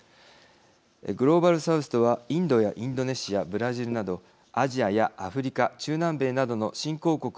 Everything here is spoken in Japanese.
グローバル・サウスとはインドやインドネシアブラジルなどアジアやアフリカ中南米などの新興国や発展途上国を指します。